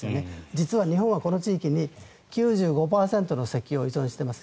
実は日本はこの地域に９５％の石油を依存しています。